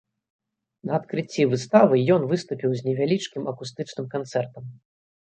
На адкрыцці выставы ён выступіў з невялічкім акустычным канцэртам.